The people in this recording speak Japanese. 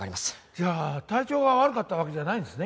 じゃあ体調が悪かったわけじゃないんですね？